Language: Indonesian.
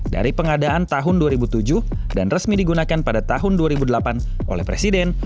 dari pengadaan tahun dua ribu tujuh dan resmi digunakan pada tahun dua ribu delapan oleh presiden